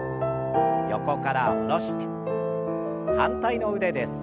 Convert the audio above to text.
横から下ろして反対の腕です。